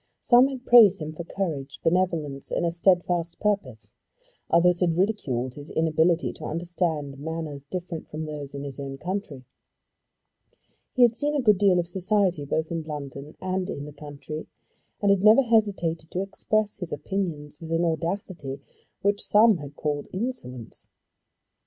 Some had praised him for courage, benevolence, and a steadfast purpose. Others had ridiculed his inability to understand manners different from those of his own country. He had seen a good deal of society both in London and in the country, and had never hesitated to express his opinions with an audacity which some had called insolence.